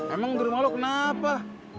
emang di rumah lo kenapa